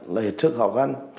là hiệt sức khó khăn